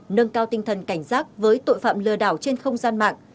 nâng cao tinh thần cảnh giác với tội phạm lừa đảo trên không gian mạng